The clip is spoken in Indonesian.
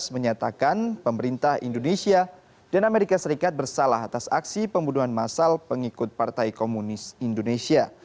menyatakan pemerintah indonesia dan amerika serikat bersalah atas aksi pembunuhan masal pengikut partai komunis indonesia